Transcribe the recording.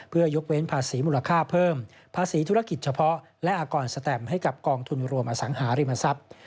เพื่อยกเว้นภาษีมูลค่าเพิ่มภาษีธุรกิจเฉพาะและอากรสแตมให้กับกองทุนรวมอสังหาริมทรัพย์